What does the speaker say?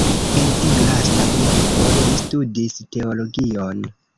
En tiu lasta urbo li studis teologion.